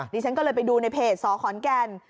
ดิฉันก็เลยไปดูในเพจสขอนแก่น